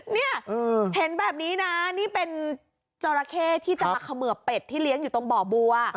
เนี่ยเห็นแบบนี้นะนี่เป็นจราเข้ที่จะมาเขมือบเป็ดที่เลี้ยงอยู่ตรงบ่อบัว